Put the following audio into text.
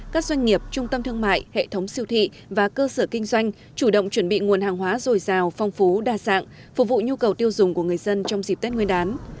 các doanh nghiệp trung tâm thương mại hệ thống siêu thị và cơ sở kinh doanh chủ động chuẩn bị nguồn hàng hóa dồi dào phong phú đa dạng phục vụ nhu cầu tiêu dùng của người dân trong dịp tết nguyên đán